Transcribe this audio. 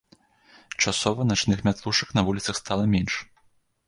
Часова начных мятлушак на вуліцах стала менш.